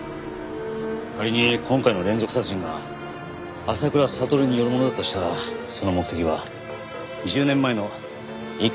仮に今回の連続殺人が浅倉悟によるものだとしたらその目的は１０年前の一家殺害事件の真相を探るため。